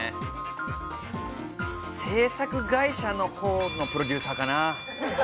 制作会社のほうのプロデューサーかな。